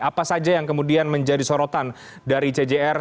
apa saja yang kemudian menjadi sorotan dari cjr